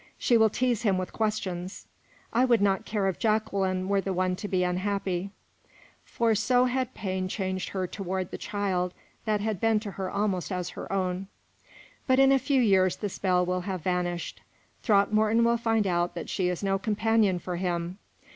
She will tease him with questions. I would not care if Jacqueline were the one to be unhappy" for so had pain changed her toward the child that had been to her almost as her own "but in a few years the spell will have vanished. Throckmorton will find out that she is no companion for him.